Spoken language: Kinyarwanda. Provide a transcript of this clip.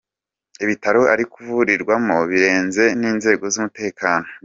Ibitaro ari kuvurirwamo birinzwe n’inzego z’umutekano.